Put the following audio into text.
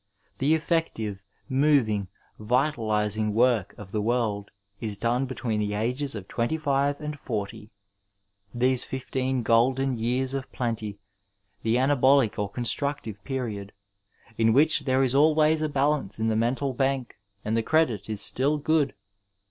The effective, moving, vitalizing work of the world is done between the ages of twenty five and forty — ^these fifteen golden years of plenty, the anabolic or constructive period, in which there is always a balance in the mental bank and the credit is still good.